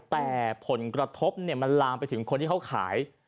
แต่ผลกระทบมันลามไปถึงคนที่เขาขาย